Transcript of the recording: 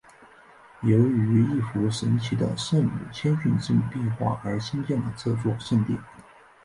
由于一幅神奇的圣母谦逊之母壁画而兴建了这座圣殿。